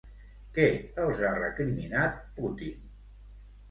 Què els ha recriminat Putin?